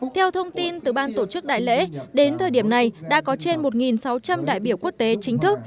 theo thông tin từ ban tổ chức đại lễ đến thời điểm này đã có trên một sáu trăm linh đại biểu quốc tế chính thức